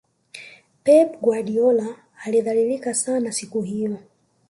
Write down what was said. pep guardiola alidhalilika sana siku hiyo